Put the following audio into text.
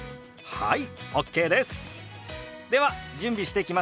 はい。